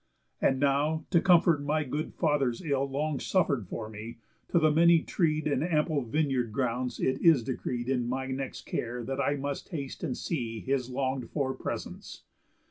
"And now, to comfort my good father's ill Long suffer'd for me, to the many tree'd And ample vineyard grounds it is decreed In my next care that I must haste and see His long'd for presence.